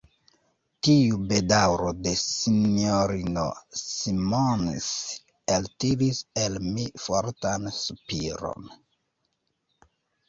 Tiu bedaŭro de S-ino Simons eltiris el mi fortan sopiron.